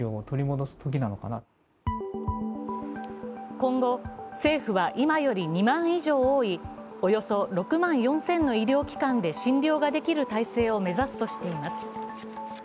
今後、政府は今より２万以上多い、およそ６万４０００の医療機関で診療ができる態勢を目指すとしています。